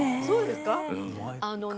そうですか？